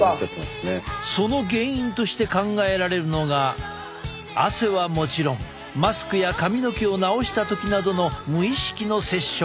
その原因として考えられるのが汗はもちろんマスクや髪の毛を直した時などの無意識の接触。